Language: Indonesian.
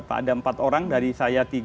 ada empat orang dari saya tiga